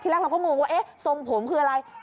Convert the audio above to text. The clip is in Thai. ทีแรกเราก็งงว่าส้มผมคืออะไร